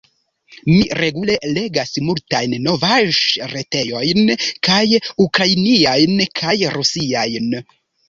Mi regule legas multajn novaĵ-retejojn, kaj ukrainiajn, kaj rusiajn.